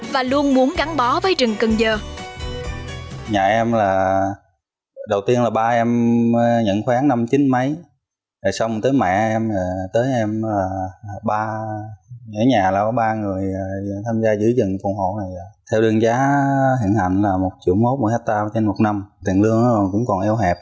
và luôn muốn gắn bó với rừng cần dơ